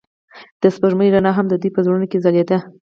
د سپوږمۍ رڼا هم د دوی په زړونو کې ځلېده.